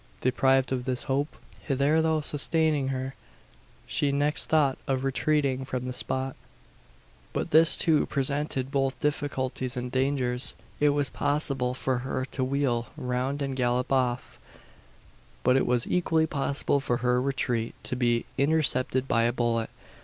Deprived of this hope hitherto sustaining her she next thought of retreating from the spot. But this too presented both difficulties and dangers. It was possible for her to wheel round and gallop off; but it was equally possible for her retreat to be intercepted by a bullet.